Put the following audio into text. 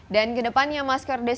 dan kedepannya masker disinfektor